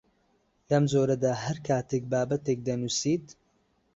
لەم جۆرەدا هەر کاتێک بابەتێک دەنووسیت